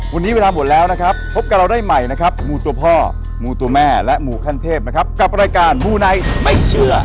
วันนี้เวลาหมดแล้วนะครับพบกับเราได้ใหม่นะครับมูตัวพ่อมูตัวแม่และมูขั้นเทพนะครับกับรายการมูไนท์ไม่เชื่อ